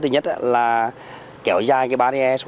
thứ nhất là kéo dài cái bariê số hai